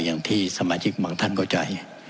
อย่างที่สมาชิกบางท่านเข้าใจ